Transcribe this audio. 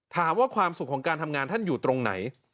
ถามว่าความสุขของการทำงานท่านอยู่ตรงไหน